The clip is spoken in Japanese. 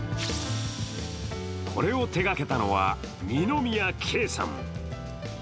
これを手がけたのは二宮啓さん。